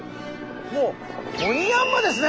もうオニヤンマですね！